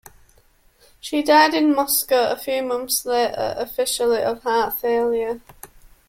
She died in Moscow a few months later, officially of heart failure.